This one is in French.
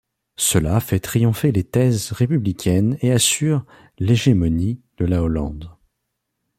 Cela fait triompher les thèses républicaines et assure l’hégémonie de la Hollande.